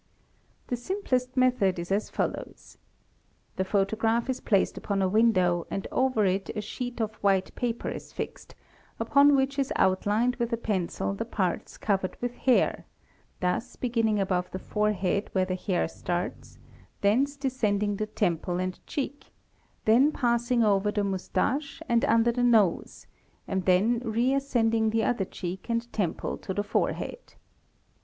The simplest method is as follows :—The photograph is placed upon a window and over it a sheet of white paper is fixed, upon which is outlined with a pencil the parts covered with hair, thus beginning above the forehead where the hair starts, thence descending the temple and cheek, then passing above the — moustache and under the nose and then reascending the other cheek and temple to the forehead.